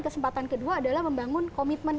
kesempatan kedua adalah membangun komitmen